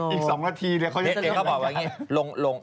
พร้อมอีกสองนาทีเลยเขาจะเตรียมอะไรกัน